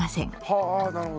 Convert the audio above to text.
はあなるほど。